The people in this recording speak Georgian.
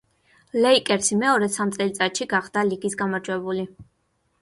ლეიკერსი მეორედ სამ წელიწადში გახდა ლიგის გამარჯვებული.